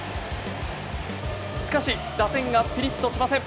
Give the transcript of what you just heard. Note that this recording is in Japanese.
しかし打線がピリッとしません。